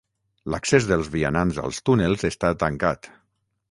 L'accés dels vianants als túnels està tancat.